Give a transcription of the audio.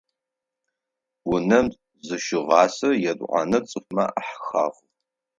Унэм зыщыгъасе етӏуанэ цӏыфмэ ахахь.